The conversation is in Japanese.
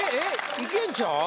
いけんちゃう？